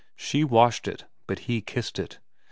She washed it, but he kissed it.